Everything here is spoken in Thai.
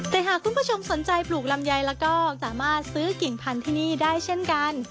แต่หากคุณผู้ชมสนใจปลูกลำไยแล้วก็สามารถซื้อกิ่งพันธุ์ที่นี่ได้เช่นกัน